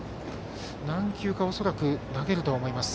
何球か、恐らく投げると思います。